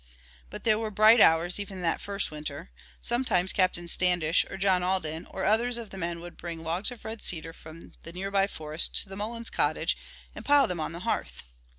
But there were bright hours even in that first winter. Sometimes Captain Standish or John Alden or others of the men would bring logs of red cedar from the near by forest to the Mullins cottage and pile them on the hearth.